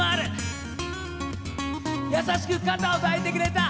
優しく肩を抱いてくれた。